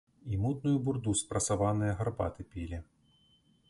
І мутную бурду з прасаванае гарбаты пілі.